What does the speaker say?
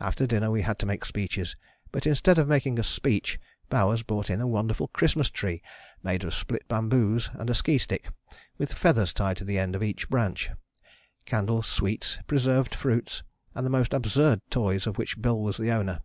After dinner we had to make speeches, but instead of making a speech Bowers brought in a wonderful Christmas tree, made of split bamboos and a ski stick, with feathers tied to the end of each branch; candles, sweets, preserved fruits, and the most absurd toys of which Bill was the owner.